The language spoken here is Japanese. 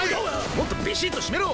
もっとビシッと締めろ！